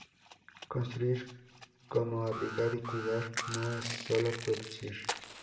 Construir como abrigar y cuidar no es solo producir.